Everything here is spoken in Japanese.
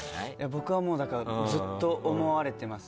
僕はもうだからずっと思われてますね。